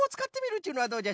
っちゅうのはどうじゃ？